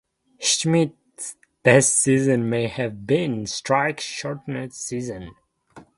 Schmidt's best season may have been the strike-shortened season.